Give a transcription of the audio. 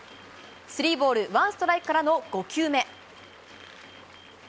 スリーボールワンストライクからの５球目。